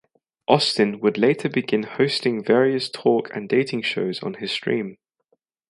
Austin would later begin hosting various talk and dating shows on his stream.